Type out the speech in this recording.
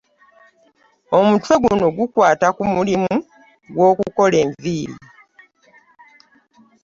Omutwe guno gukwata ku mulimu gw’okukola enviiri.